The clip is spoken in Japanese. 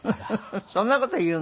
そんな事言うの？